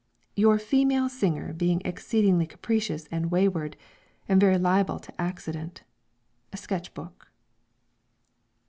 "Your female singer being exceedingly capricious and wayward, and very liable to accident." SKETCH BOOK.